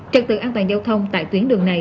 trật tự an toàn giao thông tại tuyến đường này